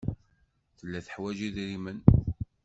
Tella teḥwaj idrimen.